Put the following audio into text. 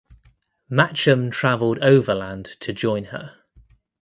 Matcham travelled overland to join her.